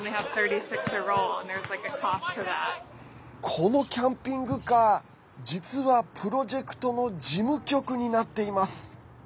このキャンピングカー実は、プロジェクトの事務局になっています。